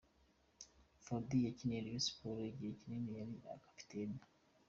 Fuadi yakiniye Rayon Sports igihe kinini ari kapiteni.